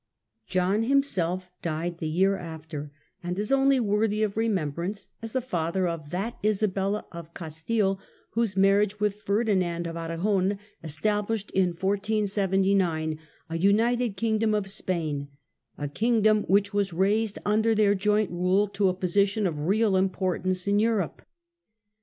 John himself died the year after, and is only worthy of remembrance as the father of that Isabella of Castile whose marriage with Ferdinand of Aragon established in 1479 a united Kingdom of Spain, a Kingdom which was raised, under their joint rule, to a position of real importance in Europe.